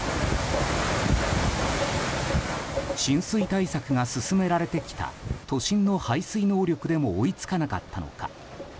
浸水対策が進められてきた都心の排水能力でも追いつかなかったのか。